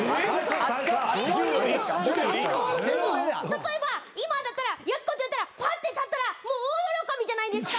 例えば今だったらやす子って言われたらパッて立ったらもう大喜びじゃないですか。